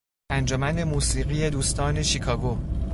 انجمن موسیقی دوستان شیکاگو